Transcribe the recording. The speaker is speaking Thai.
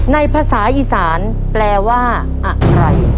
ภาษาอีสานแปลว่าอะไร